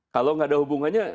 kalau nggak ada hubungannya